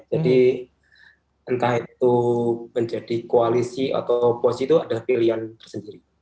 jadi entah itu menjadi koalisi atau oposi itu ada pilihan tersendiri